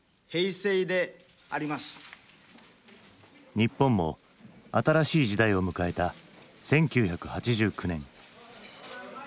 日本も新しい時代を迎えた１９８９年。